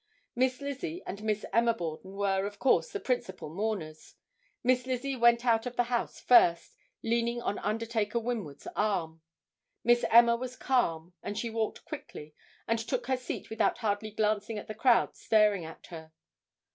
Miss Lizzie and Miss Emma Borden were, of course, the principal mourners. Miss Lizzie went out of the house first, leaning on Undertaker Winward's arm. Miss Emma was calm and she walked quickly, and took her seat without hardly glancing at the crowds staring at her.